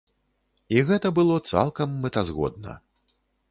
І гэта было цалкам мэтазгодна.